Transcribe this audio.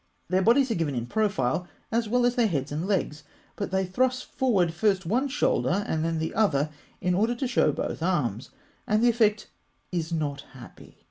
Their bodies are given in profile, as well as their heads and legs; but they thrust forward first one shoulder and then the other, in order to show both arms (fig. 164), and the effect is not happy.